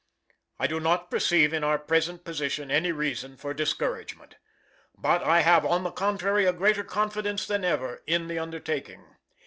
I do not perceive in our present position any reason for discouragement; but I have, on the contrary, a greater confidence than ever in the undertaking.